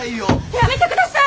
やめてください！